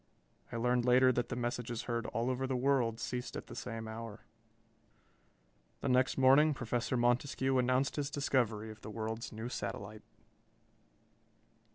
I learned later that the messages heard all over the world ceased at the same hour. The next morning Professor Montescue announced his discovery of the world's new satellite.